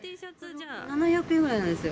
７００円ぐらいなんです。